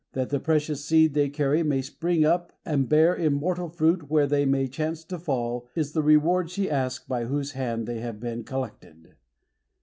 That the precious seed they carry may spring up and bear immortal fruit where they may chance to fall, is the reward she asks by whose hand they have been collected.